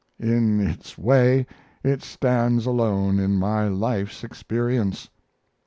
In its way it stands alone in my life's experience.